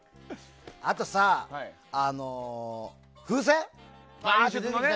あとさ、風船。